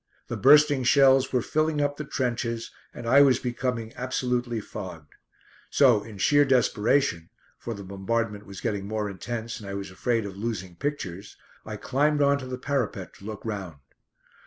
The bursting shells were filling up the trenches, and I was becoming absolutely fogged. So, in sheer desperation for the bombardment was getting more intense and I was afraid of losing pictures I climbed on to the parapet to look round.